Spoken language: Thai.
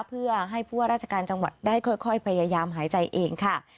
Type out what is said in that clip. เพื่อให้ผู้ว่าราชการจังหวัดได้ค่อยพยายามหายใจเองค่ะ